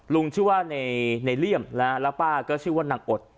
ลุงชื่อว่าในเลี่ยมแล้วป้าก็ชื่อว่านางอด